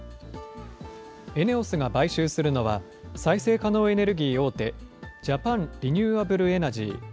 ＥＮＥＯＳが買収するのは、再生可能エネルギー大手、ジャパン・リニューアブル・エナジー。